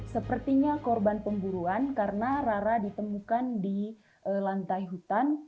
sepertinya korban pemburuan karena rara ditemukan di lantai hutan